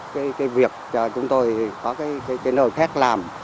cái việc cho chúng tôi có cái nơi khác làm